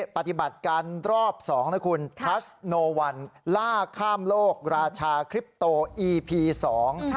ปฏิบัติการรอบสองนะคุณทัชโนวันล่าข้ามโลกราชาคลิปโตอีพีสอง